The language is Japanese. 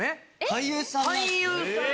俳優さん。